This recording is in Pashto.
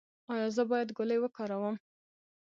ایا زه باید ګولۍ وکاروم؟